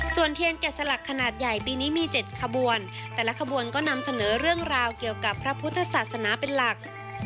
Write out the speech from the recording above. ส่วนเทียนแกะสลักขนาดใหญ่ปีนี้มี๗ขบวนแต่ละขบวนก็นำเสนอเรื่องราวเกี่ยวกับพระพุทธศาสนาเป็นหลัก